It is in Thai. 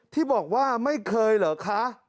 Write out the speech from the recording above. ที่บอกว่าไม่เคยเหรอคะ